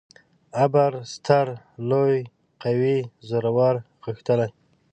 ابر: ستر ، لوی ، قوي، زورور، غښتلی